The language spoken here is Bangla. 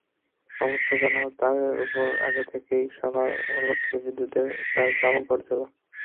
কাপড় শুকানোর তারের ওপর আগে থেকেই সবার অলক্ষ্যে বিদ্যুতের তার পড়ে ছিল।